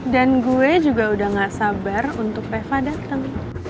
dan gue juga udah gak sabar untuk reva dateng